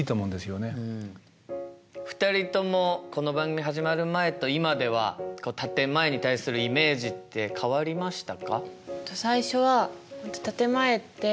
２人ともこの番組始まる前と今では建て前に対するイメージって変わりましたか？